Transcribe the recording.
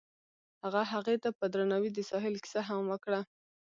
هغه هغې ته په درناوي د ساحل کیسه هم وکړه.